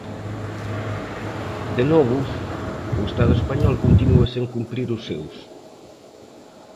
De novo, o Estado español continúa sen cumprir os seus.